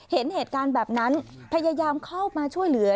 เห็นเหตุการณ์แบบนั้นพยายามเข้ามาช่วยเหลือ